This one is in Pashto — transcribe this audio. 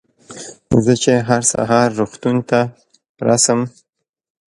زه چې هر سهار روغتون ته رڅم.